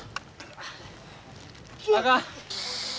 あかん。